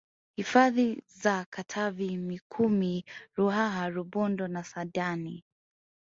Hifadhi za Katavi Mikumi Ruaha Rubondo Saadani